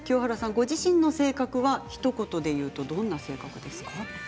ご自身の性格をひと言で言うとどうですか？